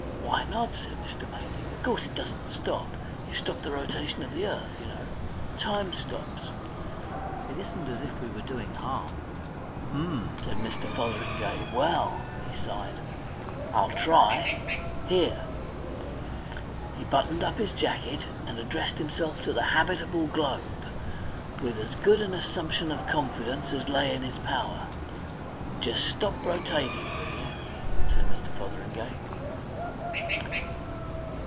"Why not?" said Mr. Maydig. "Of course it doesn't stop. You stop the rotation of the earth, you know. Time stops. It isn't as if we were doing harm." "H'm!" said Mr. Fotheringay. "Well," he sighed, "I'll try. Here!" He buttoned up his jacket and addressed himself to the habitable globe, with as good an assumption of confidence as lay in his power. "Jest stop rotating, will you?" said Mr. Fotheringay.